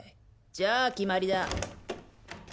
じゃ決まりだ。